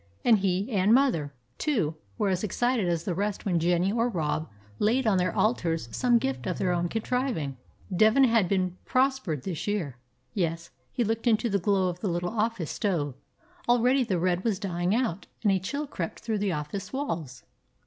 And he and mother, too, were as excited as the rest when 164 A BROOKLYN DOG Jenny or Rob laid on their altars some gift of their own contriving. Devin had been prospered this year; yes. He looked into the glow of the little office stove. Already the red was dying out, and a chill crept through the office walls.